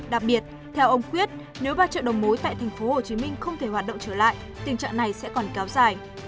đặc biệt theo ông khuyết nếu ba triệu đồng mối tại tp hcm không thể hoạt động trở lại tình trạng này sẽ còn kéo dài